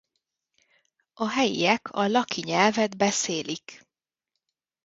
A helyiek a laki nyelvet beszélik.